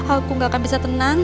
aku gak akan bisa tenang